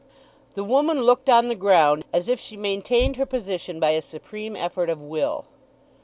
The woman looked on the ground, as if she maintained her position by a supreme effort of will.